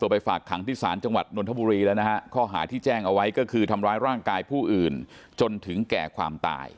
ไปฝากขังที่ศาลจังหวัดนนทบุรีแล้วนะฮะข้อหาที่แจ้งเอาไว้ก็คือทำร้ายร่างกายผู้อื่นจนถึงแก่ความตาย